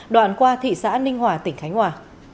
đoạn qua thị xã ninh hòa tỉnh khánh hòa